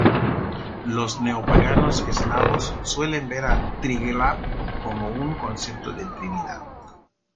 Los neopaganos eslavos suelen ver a Triglav como un concepto de Trinidad.